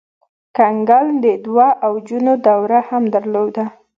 کنګل د دوه اوجونو دوره هم درلوده.